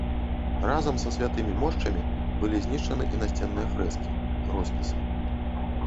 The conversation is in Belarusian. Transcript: Разам са святымі мошчамі былі знішчаны і насценныя фрэскі, роспісы.